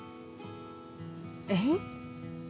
えっ？